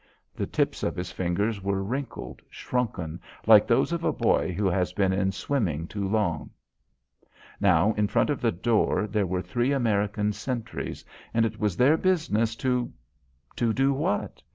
The tips of his fingers were wrinkled, shrunken, like those of a boy who has been in swimming too long. Now, in front of the door, there were three American sentries, and it was their business to to do what?